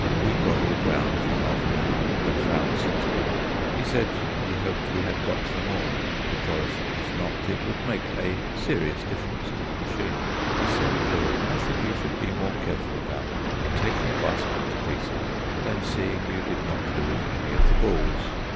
We grovelled round for half an hour, and found sixteen. He said he hoped we had got them all, because, if not, it would make a serious difference to the machine. He said there was nothing you should be more careful about in taking a bicycle to pieces than seeing you did not lose any of the balls.